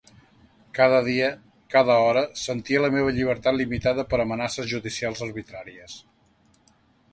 Cada dia, cada hora sentia la meva llibertat limitada per amenaces judicials arbitràries.